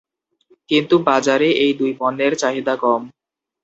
কিন্তু বাজারে এই দুই পণ্যের চাহিদা কম।